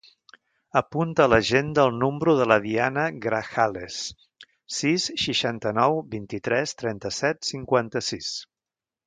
Apunta a l'agenda el número de la Diana Grajales: sis, seixanta-nou, vint-i-tres, trenta-set, cinquanta-sis.